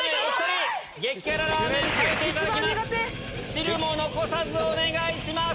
汁も残さずお願いします。